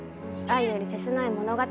愛より切ない物語